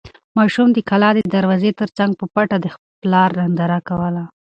ماشوم د کلا د دروازې تر څنګ په پټه د پلار ننداره کوله.